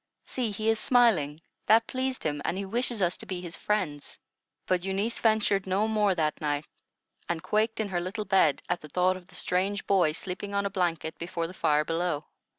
See, he is smiling; that pleased him, and he wishes us to be his friends." But Eunice ventured no more that night, and quaked in her little bed at the thought of the strange boy sleeping on a blanket before the fire below.